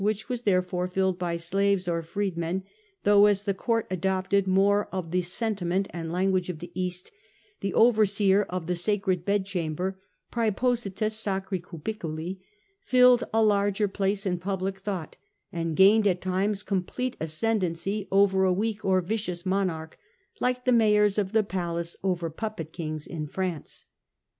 which was therefore filled by slaves or freed cuio^cham inen, though, as the court adopted more of the '' sentiment and language of the East, the overseer of the sacred bedchamber (praepositus sacri cubiculi) filled a larger place in public thought, and gained at times com plete ascendancy over a weak or vicious monarch, like the mayors of the palace over puppet kings in France.